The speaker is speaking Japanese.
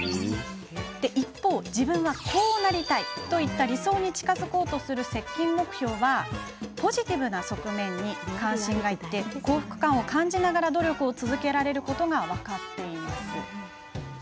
一方、自分はこうなりたいといった理想に近づこうとする接近目標はポジティブな側面に関心がいき幸福感を感じながら努力を続けられることが分かっています。